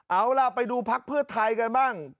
เอาล่ะไปดูพักเพื่อไทยกันบ้าง